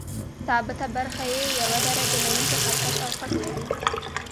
ثابته برخه یې یو درجه لرونکی خط کش او فک لري.